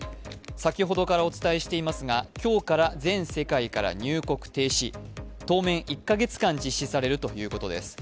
先ほどからお伝えしていますが、今日から全世界から入国停止当面１カ月間実施されるということです。